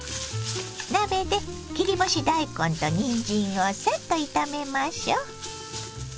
鍋で切り干し大根とにんじんをサッと炒めましょ。